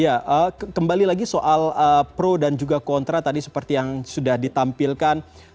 ya kembali lagi soal pro dan juga kontra tadi seperti yang sudah ditampilkan